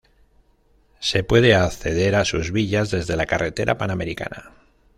Se puede acceder a sus villas desde la carretera panamericana.